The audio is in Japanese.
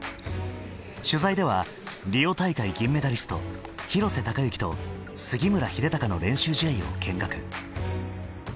取材ではリオ大会銀メダリスト廣瀬隆喜と杉村英孝の練習試合を見学。